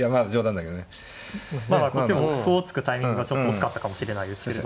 だからこっちも歩を突くタイミングが遅かったかもしれないですけど。